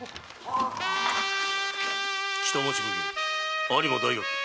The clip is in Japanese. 北町奉行・有馬大学。